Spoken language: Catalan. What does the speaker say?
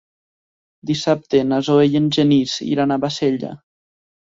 Dissabte na Zoè i en Genís iran a Bassella.